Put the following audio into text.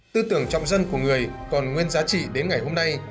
tư tưởng trọng dân của người còn nguyên giá trị đến ngày hôm nay